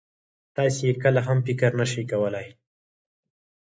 تاسې يې کله هم فکر نه شئ کولای.